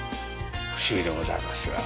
不思議でございますが。